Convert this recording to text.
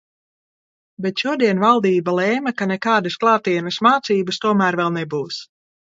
Bet šodien valdība lēma, ka nekādas klātienes mācības tomēr vēl nebūs.